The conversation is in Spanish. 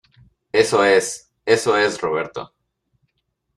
eso es. eso es, Roberto .